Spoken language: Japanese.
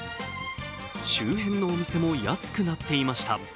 周辺のお店も安くなっていました。